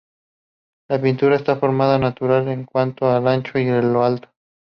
La pintura es de forma natural en cuanto a lo ancho y lo alto.